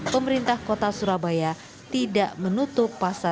pemerintah kota surabaya tidak menutup pasar